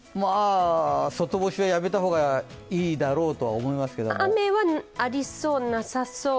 外干しはやめた方がいいだろうとは思いますけど雨はありそう、なさそう？